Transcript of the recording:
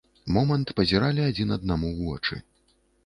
Момант пазіралі адзін аднаму ў вочы.